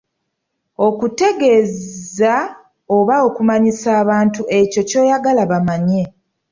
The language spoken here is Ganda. Okutegeeza oba okumanyisa abantu ekyo ky'oyagala bamanye.